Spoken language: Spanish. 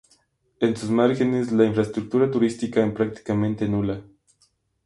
En sus márgenes, la infraestructura turística en prácticamente nula.